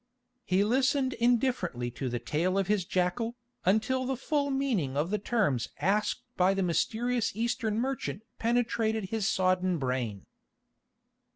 He listened indifferently to the tale of his jackal, until the full meaning of the terms asked by the mysterious Eastern merchant penetrated his sodden brain.